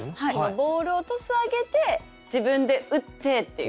ボールをトス上げて自分で打ってっていう。